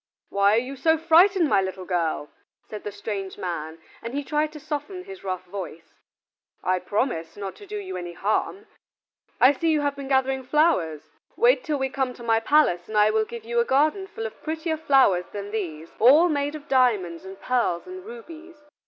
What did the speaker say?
"Why are you so frightened, my little girl?" said the strange man, and he tried to soften his rough voice. "I promise not to do you any harm. I see you have been gathering flowers? Wait till we come to my palace and I will give you a garden full of prettier flowers than these, all made of diamonds and pearls and rubies.